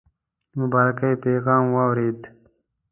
د مبارکی پیغام واورېد.